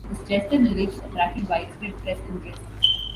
The suggestive lyrics attracted widespread press interest.